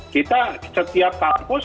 kita setiap kampus